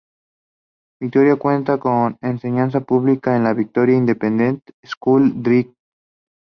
Victoria cuenta con enseñanza pública en la "Victoria Independent School District".